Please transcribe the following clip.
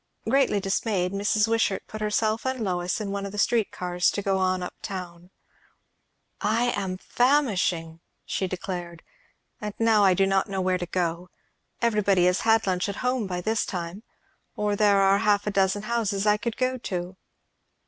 Greatly dismayed, Mrs. Wishart put herself and Lois in one of the street cars to go on up town. "I am famishing!" she declared. "And now I do not know where to go. Everybody has had lunch at home by this time, or there are half a dozen houses I could go to."